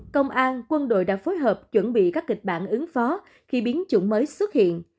công an quân đội đã phối hợp chuẩn bị các kịch bản ứng phó khi biến chủng mới xuất hiện